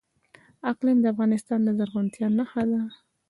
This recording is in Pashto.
اقلیم د افغانستان د زرغونتیا نښه ده.